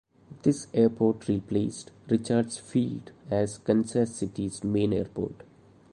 This airport replaced Richards Field as Kansas City's main airport.